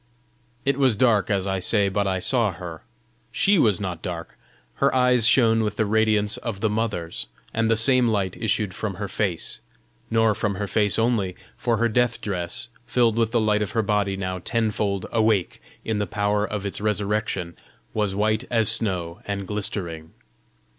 It was dark, as I say, but I saw her: SHE was not dark! Her eyes shone with the radiance of the Mother's, and the same light issued from her face nor from her face only, for her death dress, filled with the light of her body now tenfold awake in the power of its resurrection, was white as snow and glistering.